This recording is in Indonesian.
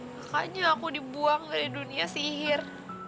makanya aku dibuang dari dunia sihir